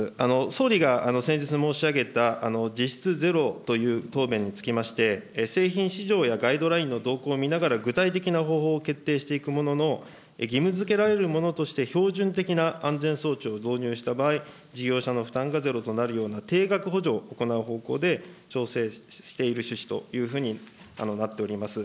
総理が先日申し上げた、実質ゼロという答弁につきまして、製品市場やガイドラインの動向を見ながら具体的な方法を決定していくものの、義務づけられるものとして、標準的な安全装置を導入した場合、事業者の負担がゼロとなるような定額補助を行う方向で調整している趣旨というふうになっております。